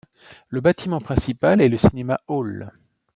Le bâtiment principal est le Cinema Hall.